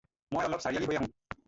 মই আলপ চাৰিআলি হৈ আহোঁ।